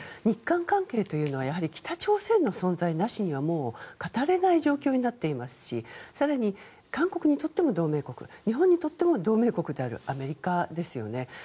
日韓関係というのはやはり北朝鮮の存在なしにはもう語れない状況になっていますし更に、韓国にとっても同盟国日本にとっても同盟国であるアメリカですよね。